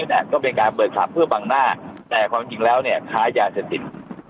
เนี่ยก็เป็นการเปิดผับเพื่อบังหน้าแต่ความจริงแล้วเนี่ยค้ายาเสพติด